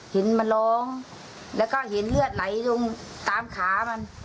เห็นมันร้องแล้วก็เห็นเลือดไหลลงตามขามัน